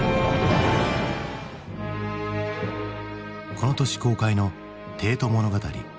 この年公開の「帝都物語」。